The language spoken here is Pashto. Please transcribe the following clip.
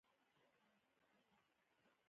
ژوندي ادب زده کوي